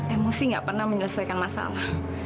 emosi gak pernah menyelesaikan masalah